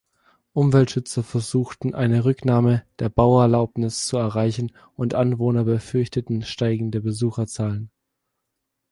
Umweltschützer versuchten, eine Rücknahme der Bauerlaubnis zu erreichen und Anwohner befürchteten steigende Besucherzahlen.